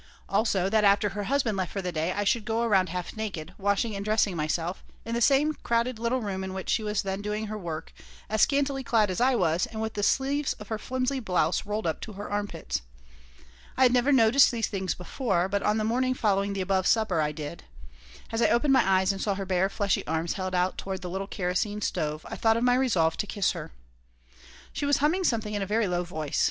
Also, that after her husband left for the day I should go around half naked, washing and dressing myself, in the same crowded little room in which she was then doing her work, as scantily clad as I was and with the sleeves of her flimsy blouse rolled up to her armpits. I had never noticed these things before, but on the morning following the above supper I did. As I opened my eyes and saw her bare, fleshy arms held out toward the little kerosene stove I thought of my resolve to kiss her She was humming something in a very low voice.